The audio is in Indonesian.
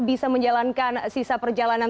bisa menjalankan sisa perjalanan